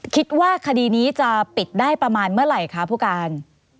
คิดว่าคดีนี้จะปิดได้ประมาณเมื่อไหร่คะผู้การ